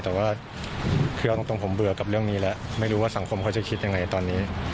แต่ว่าคือเอาตรงผมเบื่อกับเรื่องนี้แล้วไม่รู้ว่าสังคมเขาจะคิดยังไงตอนนี้